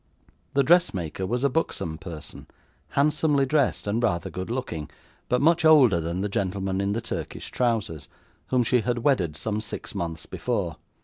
The dressmaker was a buxom person, handsomely dressed and rather good looking, but much older than the gentleman in the Turkish trousers, whom she had wedded some six months before.